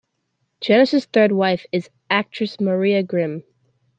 Janis's third wife is actress Maria Grimm.